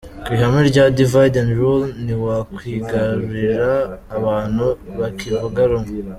Ku ihame rya Divide and Rule ntiwakwigarurira abantu bakivuga rumwe.